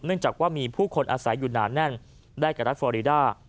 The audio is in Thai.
จากว่ามีผู้คนอาศัยอยู่หนาแน่นได้กับรัฐฟอรีด้า